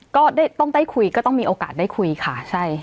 ก็ต้องได้คุยก็ต้องมีโอกาสได้คุยค่ะใช่